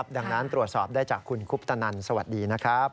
ดังนั้นตรวจสอบได้จากคุณคุปตนันสวัสดีนะครับ